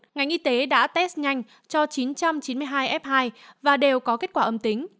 ngành y tế đã test nhanh cho chín trăm chín mươi hai f hai và đều có kết quả âm tính